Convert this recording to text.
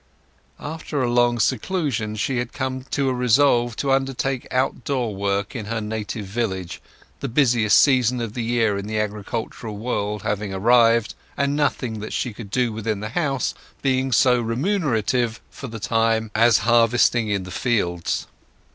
After a long seclusion she had come to a resolve to undertake outdoor work in her native village, the busiest season of the year in the agricultural world having arrived, and nothing that she could do within the house being so remunerative for the time as harvesting in the fields.